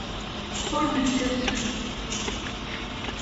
Ur nettasem.